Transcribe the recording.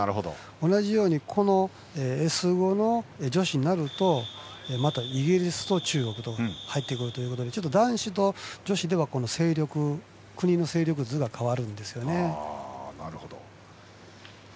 同じようにこのＳ５の女子になるとまたイギリスと中国が入ってくるので男子と女子では国の勢力図が変わるんですよね。